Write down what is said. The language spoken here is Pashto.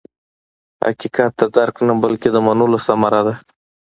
حقیقت د درک نه، بلکې د منلو ثمره ده.